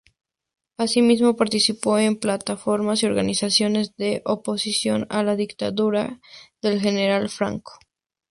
Asimismo, participó en plataformas y organizaciones de oposición a la dictadura del general Franco.